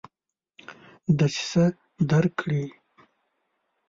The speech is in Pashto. دسیسه درک کړي.